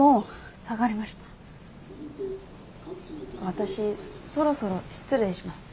私そろそろ失礼します。